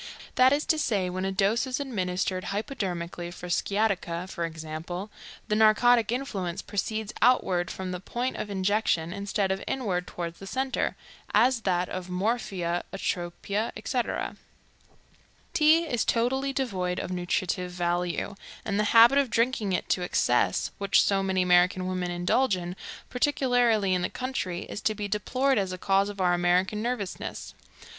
That is to say, when a dose is administered hypodermically for sciatica, for example, the narcotic influence proceeds outward from the point of injection, instead of inward toward the centers, as does that of morphia, atropia, etc. Tea is totally devoid of nutritive value, and the habit of drinking it to excess, which so many American women indulge in, particularly in the country, is to be deplored as a cause of our American nervousness.